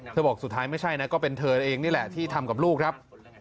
บอกสุดท้ายไม่ใช่นะก็เป็นเธอเองนี่แหละที่ทำกับลูกครับ